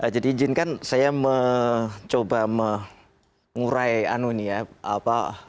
jadi izinkan saya mencoba mengurai anu nih ya